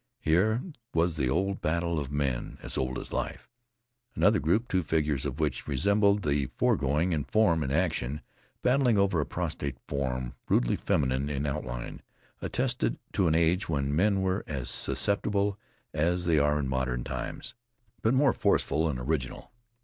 Here was the old battle of men, as old as life. Another group, two figures of which resembled the foregoing in form and action, battling over a prostrate form rudely feminine in outline, attested to an age when men were as susceptible as they are in modern times, but more forceful and original.